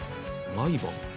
「毎晩？」